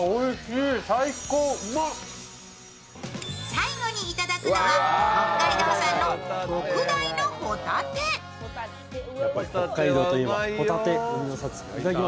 最後にいただくのは北海道産の特大のほたて。